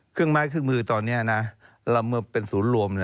เครื่องไม้เครื่องมือตอนนี้นะเราเป็นศูนย์รวม